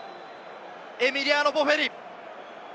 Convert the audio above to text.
エミリアノ・ボフェリ。